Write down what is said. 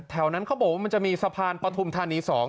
นั้นเขาบอกว่ามันจะมีสะพานปฐุมธานี๒